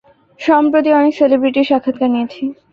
সম্প্রতি অনেক সেলিব্রিটির সাক্ষাৎকার নিয়েছি।